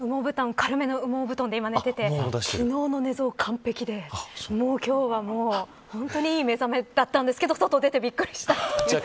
今、軽めの羽毛布団で寝ていて昨日の寝相、完璧で今日もほんとにいい目覚めだったんですが外出てびっくりしました。